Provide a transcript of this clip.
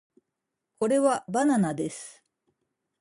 これはバナナです